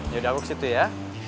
ya udah aku kesitu ya